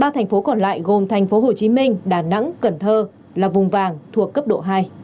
ba thành phố còn lại gồm tp hcm đà nẵng cần thơ là vùng vàng thuộc cấp độ hai